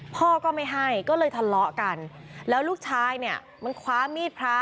พ่อก็ไม่ให้ก็เลยทะเลาะกันแล้วลูกชายเนี่ยมันคว้ามีดพระ